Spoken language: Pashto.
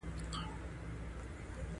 باید له دې پدیدې سره لوبې ونه کړو.